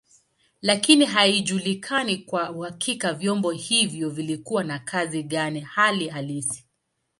Lakini haijulikani kwa uhakika vyombo hivyo vilikuwa na kazi gani hali halisi.